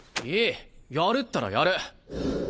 やるったらやる。